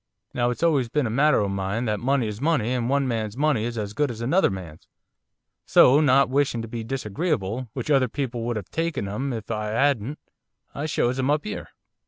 Now it's always been a motter o' mine, that money is money, and one man's money is as good as another man's. So, not wishing to be disagreeable which other people would have taken 'em if I 'adn't, I shows 'em up 'ere.